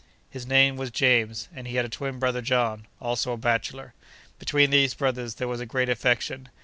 His name was James, and he had a twin brother John, also a bachelor. Between these brothers there was a great affection.